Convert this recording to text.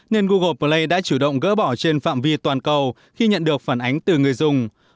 nên google play đã chủ động gỡ bỏ trên phạm vi toàn cầu khi nhận được phản ánh từ người dùng